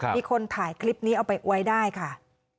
มีคนถ่ายคลิปนี้เอาไปไว้ได้ค่ะ